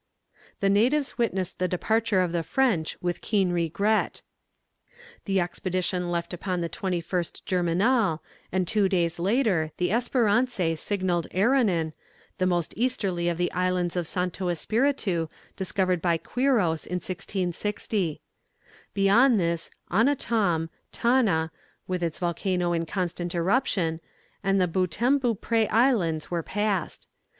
The natives witnessed the departure of the French with keen regret. The expedition left upon the 21st Germinal, and six days later the Espérance signalled Erronan, the most easterly of the islands of Santo Espiritu, discovered by Quiros in 1660. Beyond this Annatom, Tanna, with its volcano in constant eruption, and the Beautemps Beaupré Islands were passed.